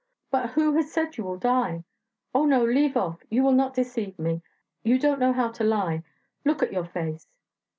'But who has said you will die?' 'Oh, no, leave off! you will not deceive me; you don't know how to lie look at your face.'